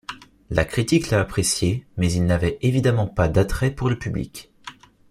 La critique l'a apprécié, mais il n'avait évidemment pas d'attrait pour le public.